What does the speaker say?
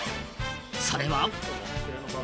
それは。